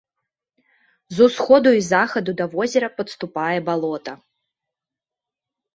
З усходу і захаду да возера падступае балота.